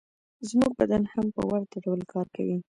زموږ بدن هم په ورته ډول کار کوي